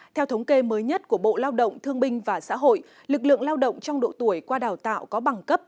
theo thống kê mới nhất của bộ lao động thương binh và xã hội lực lượng lao động trong độ tuổi qua đào tạo có bằng cấp